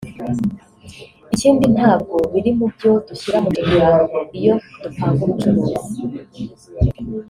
ikindi ntabwo biri mu byo dushyira mu mishinga iyo dupanga ubucuruzi